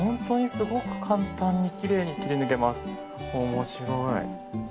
面白い。